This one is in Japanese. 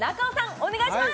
お願いします